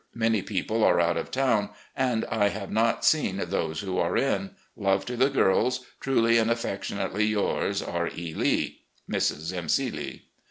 Many people are out of town, and I have not seen those who are in. Love to the girls. "Truly and affectionately yours, "R. E. Lee. "Mrs. M. C. Lee."